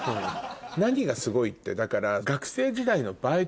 何がすごいってだから。